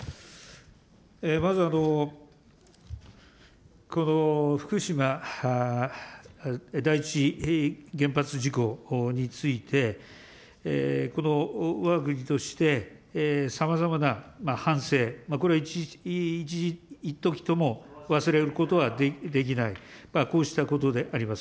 まず、この福島第一原発事故について、このわが国として、さまざまな反省、これをいっときとも忘れることはできない、こうしたことであります。